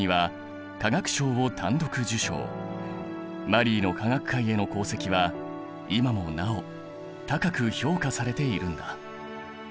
マリーの科学界への功績は今もなお高く評価されているんだ。